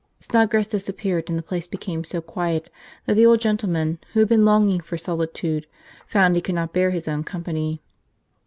Snodgrass disappeared, and the place became so quiet that the old gentleman, who had been longing for solitude, found he could not bear his own company.